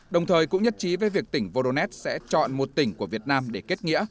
đồng thời cũng nhất trí với việc tỉnh voronet sẽ chọn một tỉnh của việt nam để kết nghĩa